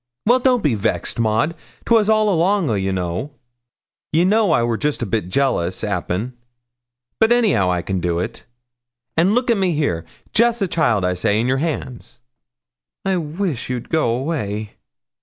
Well, don't be vexed, Maud; 'twas all along o' you; ye know, I wor a bit jealous, 'appen; but anyhow I can do it; and look at me here, jest a child, I say, in yer hands.' 'I wish you'd go away.